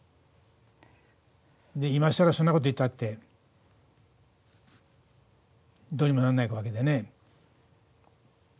いまさら、そんなこと言ったってどうにもならないわけでね。